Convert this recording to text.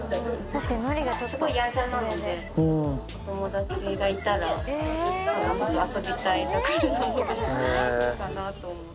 すごいやんちゃなので、お友達がいたらいいなと、遊びたい盛りなので、いいかなと思って。